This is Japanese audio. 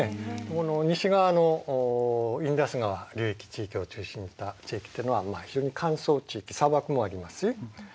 ここの西側のインダス川流域地域を中心にした地域っていうのは非常に乾燥地域砂漠もありますし。